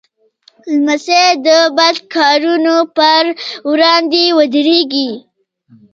لمسی د بد کارونو پر وړاندې ودریږي.